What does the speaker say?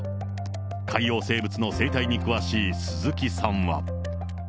海洋生物の生態に詳しい鈴木さんは。